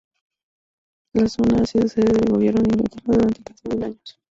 La zona ha sido sede del gobierno de Inglaterra durante casi mil años.